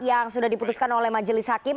yang sudah diputuskan oleh majelis hakim